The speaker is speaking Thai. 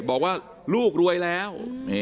บอกว่าลูกรวยแล้ว